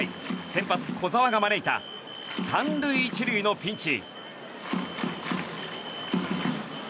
先発、小澤が招いた３塁１塁のピンチ。